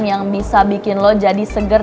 yang bisa bikin lo jadi seger